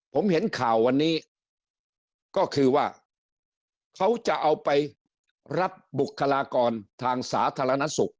ผมเห็นข่าววันนี้ก็คือว่าเขาจะเอาไปรับบุคลากรทางสาธารณสุข